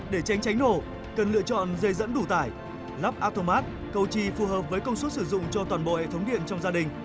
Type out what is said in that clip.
để tránh cháy nổ cần lựa chọn dây dẫn đủ tải lắp athomat cầu chi phù hợp với công suất sử dụng cho toàn bộ hệ thống điện trong gia đình